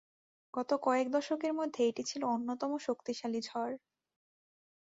গত কয়েক দশকের মধ্যে এটি ছিল অন্যতম শক্তিশালী ঝড়।